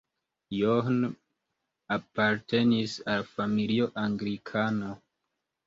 John apartenis al familio anglikana.